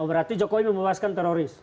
berarti jokowi membebaskan teroris